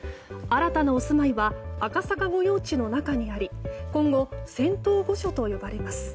新たなお住まいは赤坂御用地の中にあり今後、仙洞御所と呼ばれます。